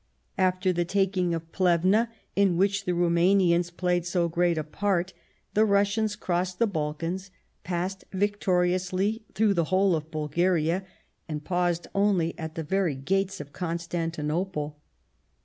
After the taking of Plevna, in which the Ruma nians played so great a part, the Russians crossed the Balkans, passed victoriously through the whole of Bulgaria, and paused only at the very gates of Constantinople.